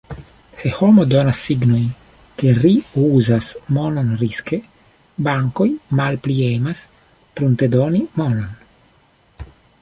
Se homo donas signojn, ke ri uzas monon riske, bankoj malpli emas pruntedoni monon.